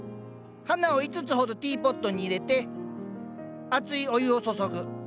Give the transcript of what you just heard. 花を５つほどティーポットに入れて熱いお湯を注ぐ。